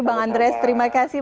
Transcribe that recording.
bang andre terima kasih